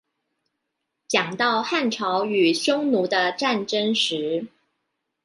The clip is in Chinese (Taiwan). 講到漢朝與匈奴的戰爭時